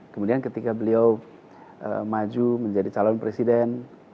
kemudian ketika beliau maju menjadi calon presiden